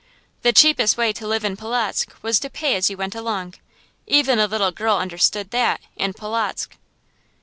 The cheapest way to live in Polotzk was to pay as you went along. Even a little girl understood that, in Polotzk.